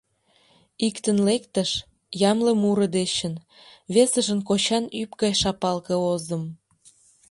Иктын лектыш — ямле муро дечын; весыжын кочан ӱп гай шапалге озым.